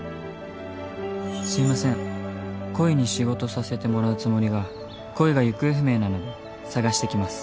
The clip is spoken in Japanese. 「すいません恋に仕事させてもらうつもりが恋が行方不明なので探してきます」。